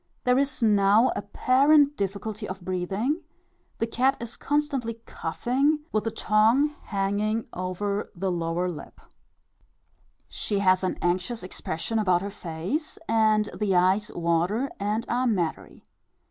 There is now apparent difficulty of breathing, the cat is constantly coughing, with the tongue hanging over the lower lip; she has an anxious expression about her face, and the eyes water and are mattery.